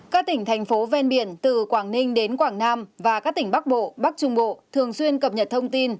các tỉnh thành phố ven biển từ quảng ninh đến quảng nam và các tỉnh bắc bộ bắc trung bộ thường xuyên cập nhật thông tin